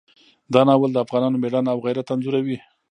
دا ناول د افغانانو مېړانه او غیرت انځوروي.